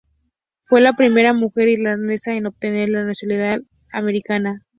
Fue la primera mujer irlandesa en obtener la nacionalidad americana.